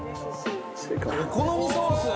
「お好みソース？」